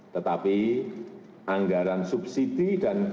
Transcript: tetapi anggaran subsidi dan